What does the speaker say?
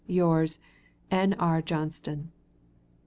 Yours, N.R. JOHNSTON.